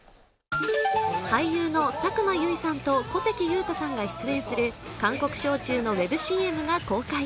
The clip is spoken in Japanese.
俳優の佐久間由衣さんと小関裕太さんが出演する韓国焼酎のウェブＣＭが公開。